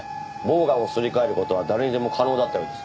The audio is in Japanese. ボウガンをすり替える事は誰にでも可能だったようです。